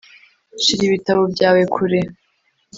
shira ibitabo byawe kure